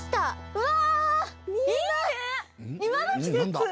うわ！